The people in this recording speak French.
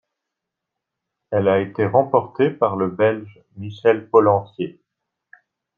Elle a été remporté par le Belge Michel Pollentier.